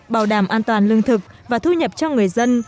bảo đảm an toàn lương thực và thu nhập cho người dân